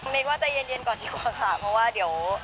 ว่าใจเย็นก่อนดีกว่าค่ะเพราะว่าเดี๋ยว